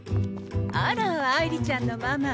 あら愛梨ちゃんのママ。